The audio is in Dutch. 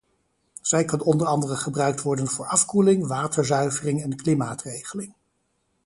Zij kan onder andere gebruikt worden voor afkoeling, waterzuivering en klimaatregeling.